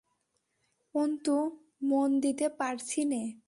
অন্তু, মন দিতে পারছি নে।